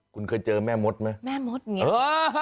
คุณเคยเจอแม่มดไหมแม่มดอย่างนี้